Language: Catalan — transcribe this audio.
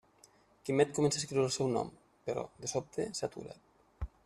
Quimet comença a escriure el seu nom, però, de sobte, s'atura.